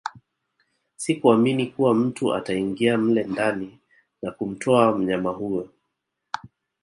Sikuamini kuwa mtu ataingia mle ndani na kumtoa mnyama huyo